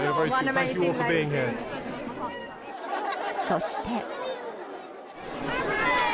そして。